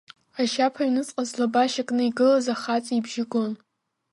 Ашьаԥа аҩныҵҟа злабашьа кны игылаз ахаҵа ибжьы гон…